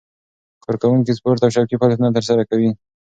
کارکوونکي سپورت او شوقي فعالیتونه ترسره کوي.